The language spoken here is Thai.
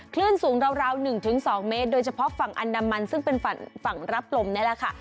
คลื่นสูงราว๑๒เมตรโดยเฉพาะฝั่งอันดามันซึ่งเป็นฝั่งรับลมนี่แหละค่ะ